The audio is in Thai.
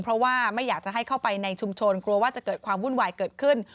เพราะว่าไม่อยากจะให้เข้าไปในชุมชนกลัวว่าจะเกิดความวุ่นวายเกิดขึ้น